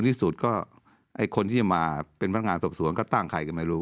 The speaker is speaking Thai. ใต้สุดก็คนที่มาเป็นพัจจิก็ตั้งใครก็ไม่รู้